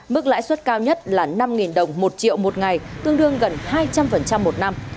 mức lãi suất cao nhất là năm đồng một triệu một ngày tương đương gần hai trăm linh một năm